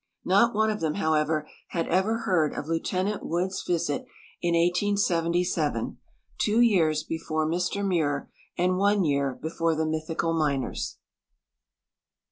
Not one of them, however, had ever heard of Lieutenant Wood's visit in 1877, two years before Mr Muir and one year before the mythical miners.